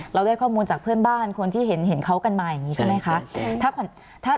เราได้ข้อมูลจากเพื่อนบ้านคนที่เห็นเขากันมาอย่างนี้ใช่ไหมคะ